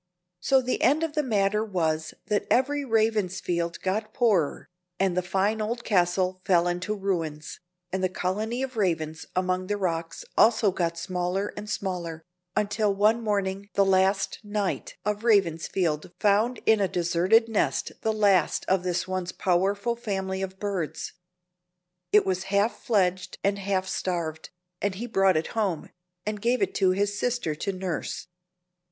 So the end of the matter was that every Ravensfield got poorer, and the fine old castle fell into ruins, and the colony of Ravens among the rocks also got smaller and smaller, until one morning the last knight of Ravensfield found in a deserted nest the last of this once powerful family of birds. It was half fledged and half starved, and he brought it home, and gave it to his sister to nurse.